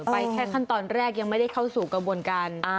ไปแค่ขั้นตอนแรกยังไม่ได้เข้าสู่กระบวนการ